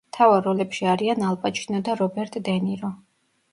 მთავარ როლებში არიან ალ პაჩინო და რობერტ დე ნირო.